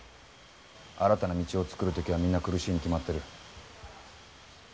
新たな道を作る時はみんな苦しいに決まってる。